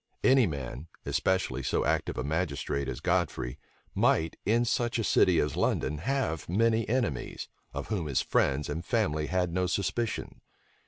Any man, especially so active a magistrate as Godfrey, might, in such a city as London, have many enemies, of whom his friends and family had no suspicion.